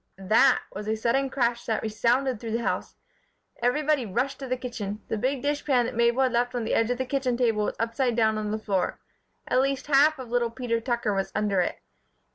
"That" was a sudden crash that resounded through the house. Everybody rushed to the kitchen. The big dish pan that Mabel had left on the edge of the kitchen table was upside down on the floor. At least half of little Peter Tucker was under it.